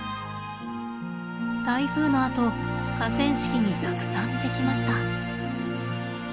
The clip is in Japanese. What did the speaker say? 台風のあと河川敷にたくさんできました。